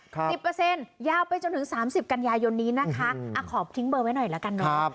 สิบเปอร์เซ็นต์ยาวไปจนถึงสามสิบกันยายนนี้นะคะอ่ะขอทิ้งเบอร์ไว้หน่อยละกันเนอะ